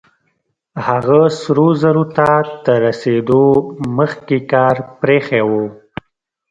هغه سرو زرو ته تر رسېدو مخکې کار پرېښی و.